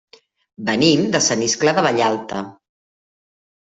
Venim de Sant Iscle de Vallalta.